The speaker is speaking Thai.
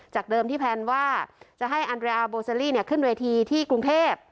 จากเดิมที่แพลนว่าจะให้อันเดราโบเซลลี่ขึ้นเวทีที่กรุงเทพฯ